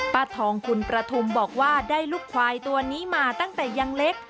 ป้าทองคุณประทุมบอกว่าได้ลูกควายตัวนี้มาตั้งแต่ยังเล็ก